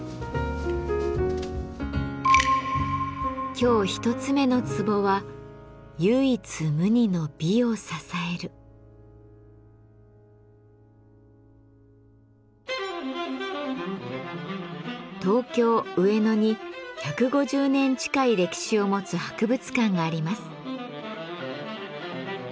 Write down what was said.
今日一つ目のツボは東京・上野に１５０年近い歴史を持つ博物館があります。